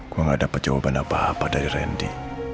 gua nggak dapat jawaban apa apa dari randy